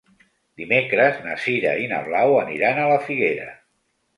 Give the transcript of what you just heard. Dimecres na Sira i na Blau aniran a la Figuera.